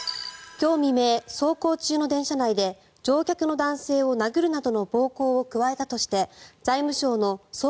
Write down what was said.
今日未明、走行中の電車内で乗客の男性を殴るなどの暴行を加えたとして財務省の総括